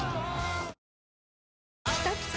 きたきた！